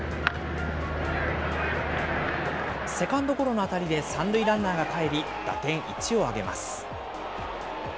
セカンドゴロの当たりで３塁ランナーがかえり、打点１を挙げます。